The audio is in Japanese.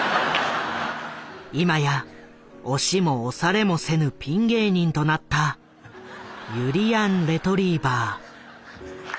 今や押しも押されもせぬピン芸人となったゆりやんレトリィバァ。